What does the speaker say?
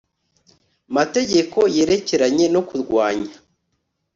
mategeko yerekeranye no kurwanya